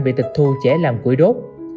về tịch thu trẻ làm củi đốt